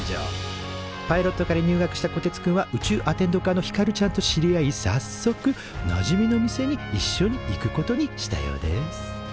パイロット科に入学したこてつくんは宇宙アテンド科のひかるちゃんと知り合いさっそくなじみの店にいっしょに行くことにしたようです